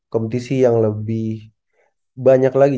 kompetisi yang lebih banyak lagi